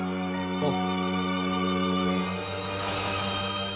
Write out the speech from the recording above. あっ。